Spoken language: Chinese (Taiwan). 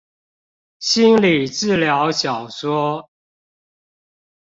心理治療小說